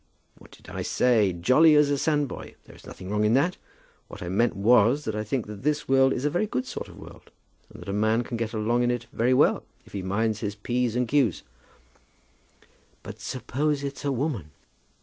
"What did I say; jolly as a sandboy? There is nothing wrong in that. What I meant was, that I think that this world is a very good sort of world, and that a man can get along in it very well, if he minds his p's and q's." "But suppose it's a woman?"